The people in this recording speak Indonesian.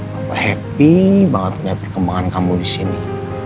bapak happy banget liat perkembangan kamu disini